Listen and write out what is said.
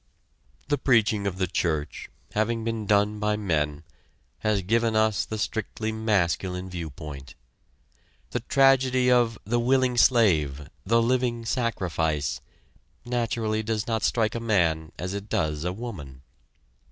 The preaching of the church, having been done by men, has given us the strictly masculine viewpoint. The tragedy of the "willing slave, the living sacrifice," naturally does not strike a man as it does a woman.